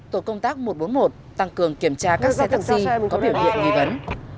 tổ công tác một trăm bốn mươi một tăng cường kiểm tra các xe taxi có biểu hiện nghi vấn